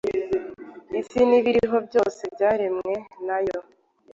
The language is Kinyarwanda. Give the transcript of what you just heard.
Isi n’ibibaho byose byaremwe nayo